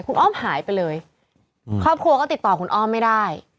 คุณอ้อมหายไปเลยครอบครัวก็ติดต่อคุณอ้อมไม่ได้